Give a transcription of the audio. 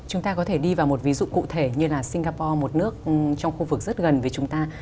chúng ta có thể đi vào một ví dụ cụ thể như là singapore một nước trong khu vực rất gần với chúng ta